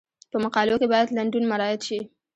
په مقالو کې باید لنډون مراعات شي.